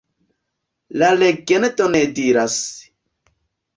La legendo ne diras.